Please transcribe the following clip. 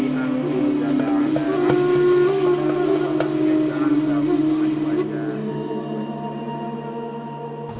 อาทิตย์